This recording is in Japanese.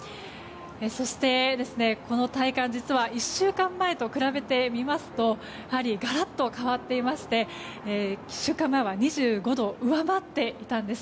そして、この体感実は１週間前と比べてみますとガラッと変わっていまして１週間前は２５度を上回っていたんです。